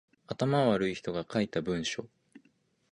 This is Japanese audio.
頭悪い人が書いた文章